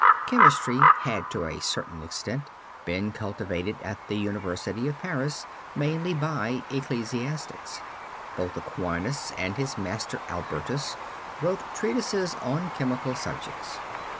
Chemistry had to a certain extent been cultivated at the University of Paris, mainly by ecclesiastics. Both Aquinas and his master Albertus wrote treatises on chemical subjects.